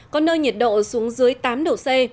có nơi nhiệt độ xuống dưới tám độ c